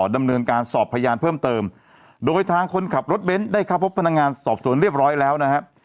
ดำเนินการสอบพยานเพิ่มเติมโดยทางคนขับรถเบ้นได้เข้าพบพนักงานสอบสวนเรียบร้อยแล้วนะครับ